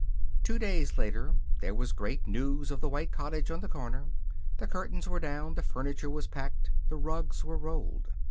Two days later there was great news of the white cottage on the corner. The curtains were down; the furniture was packed; the rugs were rolled.